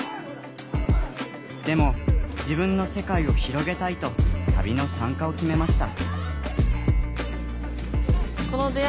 でも自分の世界を広げたいと旅の参加を決めました。